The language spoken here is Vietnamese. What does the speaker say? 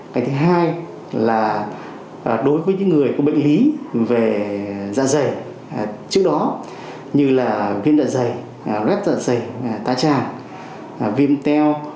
cái thứ hai là đối với những người có bệnh lý về dạ dày trước đó như là viêm đợt dày rết đợt dày tá tràng viêm teo